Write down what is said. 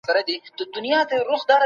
د یتیم د ژړولو